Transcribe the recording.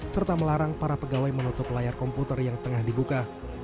serta melarang para pegawai menutup layar komputer yang tengah dibuka